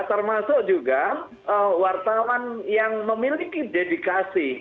termasuk juga wartawan yang memiliki dedikasi